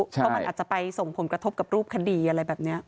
เพราะมันอาจจะไปส่งผลกระทบกับรูปคดีอะไรแบบนี้